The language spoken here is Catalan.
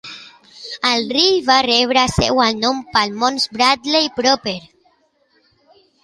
El rill va rebre seu el nom pel Mons Bradley proper.